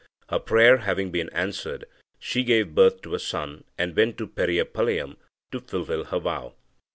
Her prayer having been answered, she gave birth to a son, and went to Periyapalayam to fulfil her vow.